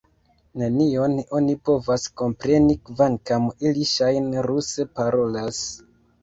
Nenion oni povas kompreni, kvankam ili ŝajne ruse parolas!